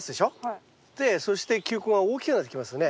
そして球根が大きくなってきますよね。